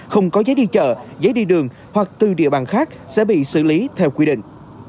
không có giấy đi chợ giấy đi đường hoặc từ địa bàn khác sẽ bị xử lý theo quy định